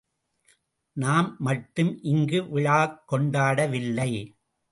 நாம் மட்டும் இங்கு விழாக் கொண்டாடவில்லை.